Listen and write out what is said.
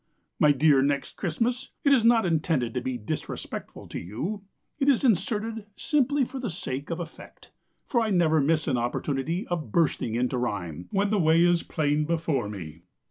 My dear Next Christmas, Is not intended to be Disrespectful to you; It is inserted simply For the sake of effect. For I never miss an opportunity Of bursting into rhyme. When the way is plain before me.